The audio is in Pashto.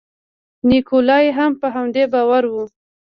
نیکولای هم په همدې باور و.